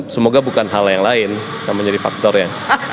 semoga bukan hal yang lain yang menjadi faktornya